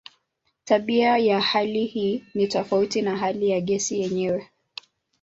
Tabia ya hali hii ni tofauti na hali ya gesi yenyewe.